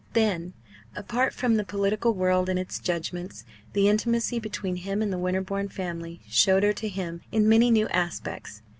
Then apart from the political world and its judgments the intimacy between him and the Winterbourne family showed her to him in many new aspects.